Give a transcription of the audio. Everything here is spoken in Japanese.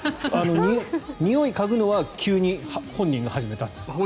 においを嗅ぐのは急に本人が始めたんですって。